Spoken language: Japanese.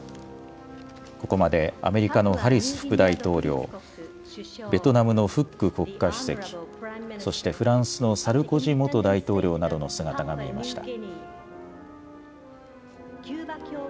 ここまでアメリカのハリス副大統領、ベトナムのフック国家主席、そしてフランスのサルコジ元大統領などの姿が見えました。